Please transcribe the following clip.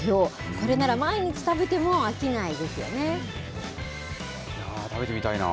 これなら毎日食べても飽きないで食べてみたいな。